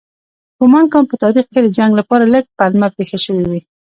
ګومان کوم په تاریخ کې د جنګ لپاره لږ پلمه پېښه شوې وي.